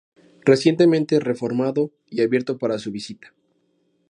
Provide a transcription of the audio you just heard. Recientemente reformado y abierto para su visita.